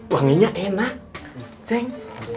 wanginya enak ceng